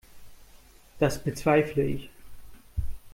Das bezweifle ich.